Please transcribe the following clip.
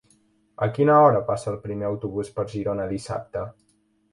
A quina hora passa el primer autobús per Girona dissabte?